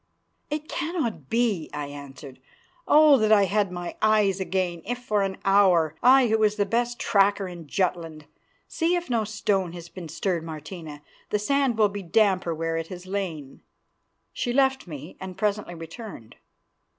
"It cannot be," I answered. "Oh! that I had my eyes again, if for an hour, I who was the best tracker in Jutland. See if no stone has been stirred, Martina. The sand will be damper where it has lain." She left me, and presently returned.